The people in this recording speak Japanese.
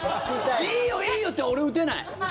いいよ、いいよって俺、打てない。